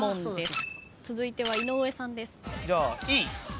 続いては井上さんです。